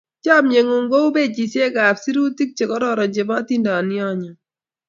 Chomye ng'ung' kou pejisyek ap sirutik che kororon che po atindyo nyon.